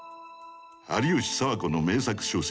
有吉佐和子の名作小説